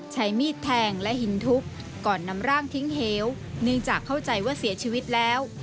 ใช้มีดแทงและหินทุบก่อนนำร่างทิ้งเหวเนื่องจากเข้าใจว่าเสียชีวิตแล้ว